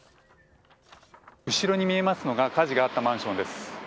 後ろに見えますのが、火事があったマンションです。